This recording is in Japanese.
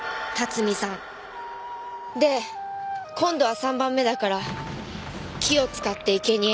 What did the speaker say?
で今度は３番目だから木を使って生け贄に。